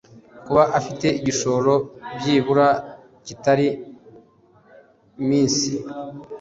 kuba afite igishoro byibura kitari minsi….